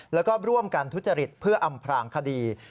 แล้วก็ร่วมกันทุจริตเพื่ออำพลางคดี